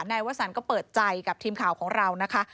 นายวสันก็เปิดใจกับทีมข่าวของเรานะคะ